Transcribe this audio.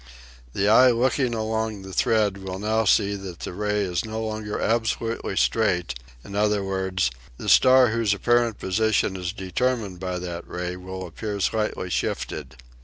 The eye looking along the thread will now see that the ray is no longer absolutely straight; in other words, the star whose apparent position is determined by that ray will appear slightly shifted.